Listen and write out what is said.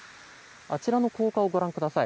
あちらの高架をご覧ください。